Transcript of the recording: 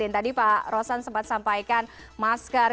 tadi pak rosan sempat sampaikan masker